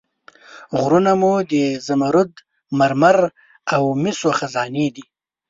غرونه مو د زمرد، مرمر او مسو خزانې دي.